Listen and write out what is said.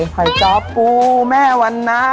ไฮจ้อปูแม่วันน่า